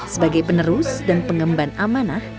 sebagai penerus dan pengemban amanah